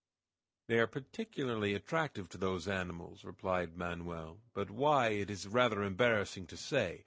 "They are particularly attractive to those animals," replied Manoel, "but why it is rather embarrassing to say.